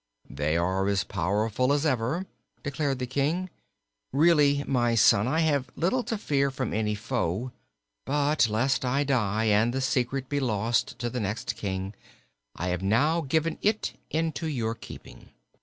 "They are as powerful as ever," declared the King. "Really, my son, I have little to fear from any foe. But lest I die and the secret be lost to the next King, I have now given it into your keeping.